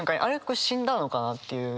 これ死んだのかなっていう。